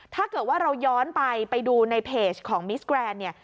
ถ้าเกิดว่าเราย้อนไปไปดูในเพจของมิสแกรนด์เนี่ย